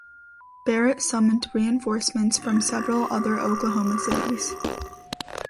Barrett summoned reinforcements from several other Oklahoma cities.